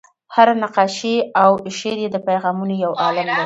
هره نقاشي او شعر یې د پیغامونو یو عالم دی.